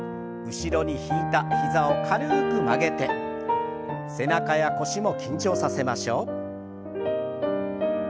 後ろに引いた膝を軽く曲げて背中や腰も緊張させましょう。